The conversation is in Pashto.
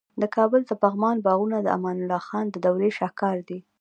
د کابل د پغمان باغونه د امان الله خان د دورې شاهکار دي